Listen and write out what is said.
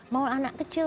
mau anak kecil